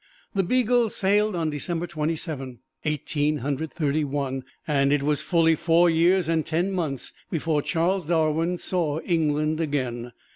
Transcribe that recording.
The "Beagle" sailed on December Twenty seven, Eighteen Hundred Thirty one, and it was fully four years and ten months before Charles Darwin saw England again.